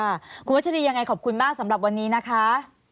คุณวัชรียังไงขอบคุณมากสำหรับวันนี้นะคะ